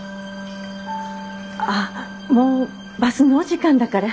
あっもうバスの時間だから。